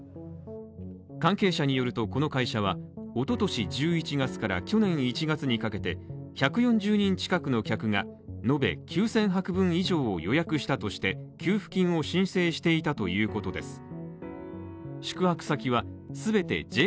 関係者によるとこの会社は一昨年１１月から去年１月にかけて、１４０人近くの客が延べ９０００泊分以上を予約したとして、給付金を申請していたということです。